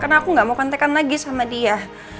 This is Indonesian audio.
karena aku nggak mau kontekan lagi sama dia